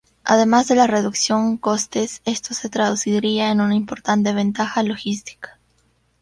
Además de la reducción costes, esto se traduciría en una importante ventaja logística.